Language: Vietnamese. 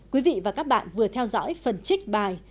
quý vị và các bạn vừa theo dõi phần trích bài